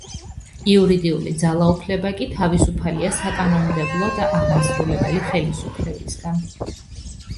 იურიდიული ძალაუფლება კი თავისუფალია საკანონმდებლო და აღმასრულებელი ხელისუფლებისგან.